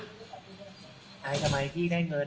ทำไมพี่ได้เงิน